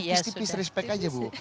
ya sudah tipe tipe respect aja bu